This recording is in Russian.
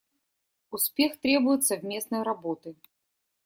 Успех требует совместной работы.